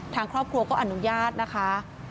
ทางครอบครัวก็อนุญาตนะคะ